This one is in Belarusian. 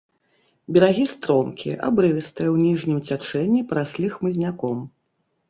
Берагі стромкія, абрывістыя, у ніжнім цячэнні параслі хмызняком.